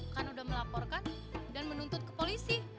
kan udah melaporkan dan menuntut ke polisi